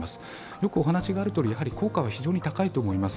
よくお話があるとおり、効果は非常に高いと思います。